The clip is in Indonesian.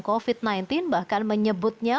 covid sembilan belas bahkan menyebutnya